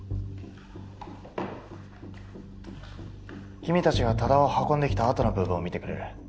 君たちが多田を運んできたあとの部分を見てくれる？